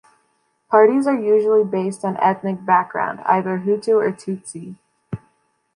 Parties are usually based on ethnic background, either Hutu or Tutsi.